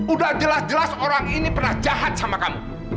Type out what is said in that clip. udah jelas jelas orang ini pernah jahat sama kamu